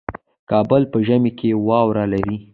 کابل په ژمي کې واوره لري